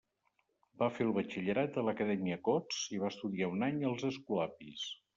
Va fer el Batxillerat a l'acadèmia Cots i va estudiar un any als Escolapis.